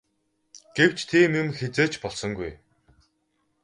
Гэвч тийм юм хэзээ ч болсонгүй.